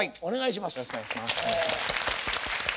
よろしくお願いします。